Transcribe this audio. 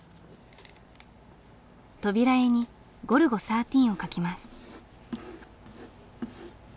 扉絵にゴルゴ１３を描きます。